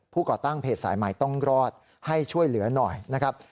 ก่อตั้งเพจสายใหม่ต้องรอดให้ช่วยเหลือหน่อยนะครับ